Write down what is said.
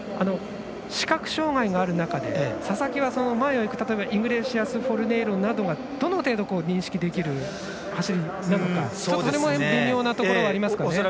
視覚障がいがある中で佐々木は前を行くイグレシアスフォルネイロなどがどの程度、認識できる走りなのか、それも微妙なところありますかね。